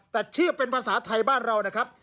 แต่ชื่อเป็นภาษาไทยบ้านเรานะครับ